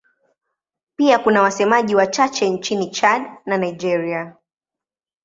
Pia kuna wasemaji wachache nchini Chad na Nigeria.